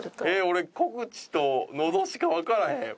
俺小口とのどしかわからへん。